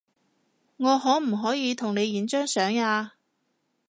我可唔可以同你影張相呀